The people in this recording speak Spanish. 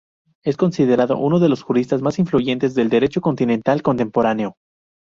Es considerado uno de los juristas más influyentes del Derecho continental contemporáneo.